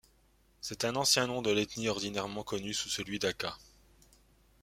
C'est un ancien nom de l'ethnie ordinairement connue sous celui d'Hakka.